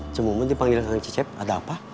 cemumun dipanggil kang cecep ada apa